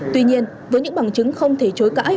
tuy nhiên với những bằng chứng không thể chối cãi